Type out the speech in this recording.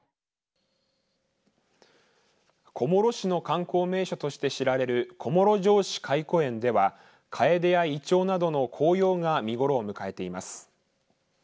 小諸市の観光名所として知られる小諸城址懐古園ではかえでや、いちょうなどの紅葉が見頃を迎えています。